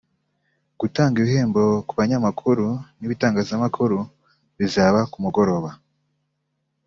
Gutanga ibihembo ku banyamakuru n’ibitangazamakuru bizaba ku mugoroba